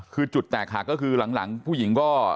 คือจุดแตกหักก็คือหลังผู้หญิงก็